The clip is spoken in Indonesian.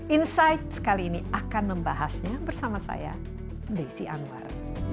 insight kali ini akan membahasnya bersama saya desi anwar